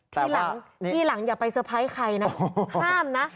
ทีหลังทีหลังอย่าไปเซอร์ไพรส์ใครนะ